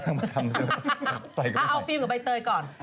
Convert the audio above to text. เอาฟิล์กับใบเตยก่อน